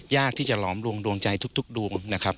ยากที่จะหลอมรวงดวงใจทุกดวงนะครับ